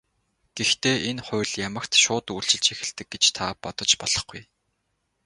Гэхдээ энэ хууль ямагт шууд үйлчилж эхэлдэг гэж та бодож болохгүй.